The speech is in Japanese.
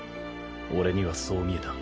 俺にはそう見えた